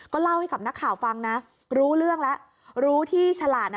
เล่าให้กับนักข่าวฟังนะรู้เรื่องแล้วรู้ที่ฉลาดอ่ะ